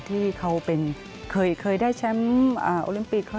ที่เขาเคยได้แชมป์โอลิมปิก